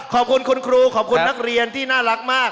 ขอบคุณคุณครูขอบคุณนักเรียนที่น่ารักมาก